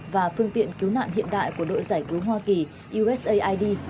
và phương tiện cứu nạn hiện đại của đội giải cứu hoa kỳ usaid